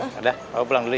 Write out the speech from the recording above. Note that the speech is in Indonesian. dahlah papa dulu pulang ya ma